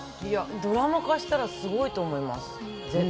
ドラマ化したら、すごいと思います。